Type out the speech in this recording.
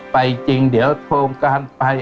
จริงเดี๋ยวโครงการไป